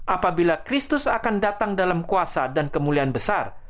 apabila kristus akan datang dalam kuasa dan kemuliaan besar